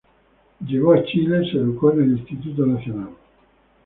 Llegó a Chile, se educó en el Instituto Nacional.